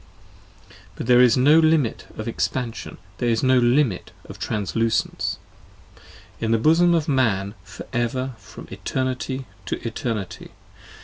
35 But there is no Limit of Expansion; there is no Limit of Translucence, In the bosom of Man for ever from eternity to eternity.